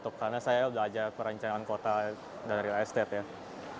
karena saya belajar perencanaan kota dan real estate ya